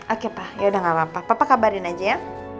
oke pak yaudah gak apa apa papa kabarin aja ya